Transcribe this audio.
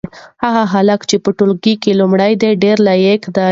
هغه هلک چې په ټولګي کې لومړی دی ډېر لایق دی.